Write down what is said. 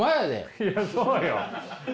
いやそうよ！